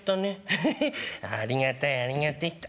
エヘヘありがたいありがたいと。